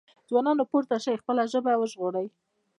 ځوانانو راپورته شئ خپله ژبه وژغورئ۔